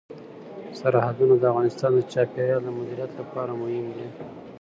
سرحدونه د افغانستان د چاپیریال د مدیریت لپاره مهم دي.